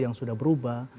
yang sudah berubah